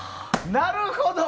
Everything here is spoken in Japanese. なるほど！